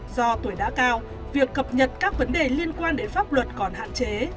do tuổi đã cao việc cập nhật các vấn đề liên quan đến pháp luật còn hạn chế